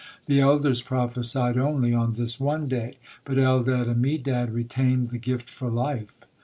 The elders prophesied only on this one day, but Eldad and Medad retained the gift for life.